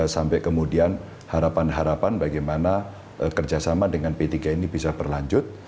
sampai kemudian harapan harapan bagaimana kerjasama dengan p tiga ini bisa berlanjut